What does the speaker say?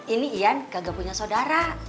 ini ian gagal punya saudara